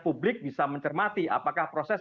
publik bisa mencermati apakah proses